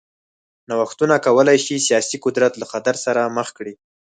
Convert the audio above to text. نوښتونه کولای شي سیاسي قدرت له خطر سره مخ کړي.